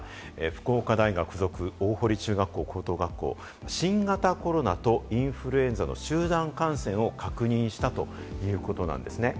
福岡大学附属大濠中学校・高等学校、新型コロナとインフルエンザの集団感染を確認したということなんですね。